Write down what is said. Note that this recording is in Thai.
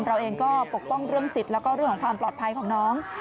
เราเองก็ปกป้องเรื่องสิทธิ์แล้วก็เรื่องของความปลอดภัยของน้อง